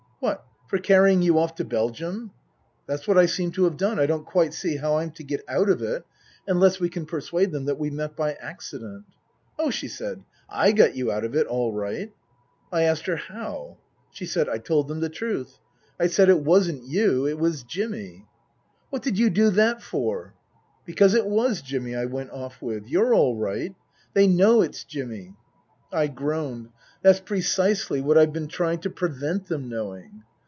" What, for carrying you off to Belgium ? That's what I seem to have done. I don't quite see how I'm to get out of it unless we can persuade them that we met by accident." " Oh," she said, "I got you out of it all right." I asked her, " How ?" She said, " I told them the truth. I said it wasn't you ; it was Jimmy." " What did you do that for ?"" Because it was Jimmy I went off with. You're all right. They know it's Jimmy." I groaned. " That's precisely what I've been trying to prevent them knowing."